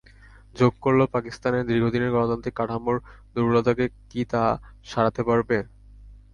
যোগ করলেও পাকিস্তানের দীর্ঘদিনের গণতান্ত্রিক কাঠামোর দুর্বলতাকে কি তা সারাতে পারবে?